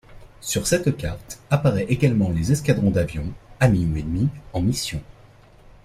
Sur cette carte apparait également les escadrons d’avions, amis ou ennemis, en missions.